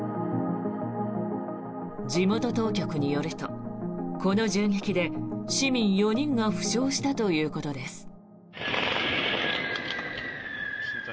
地元当局によるとこの銃撃で市民４人が負傷したということです。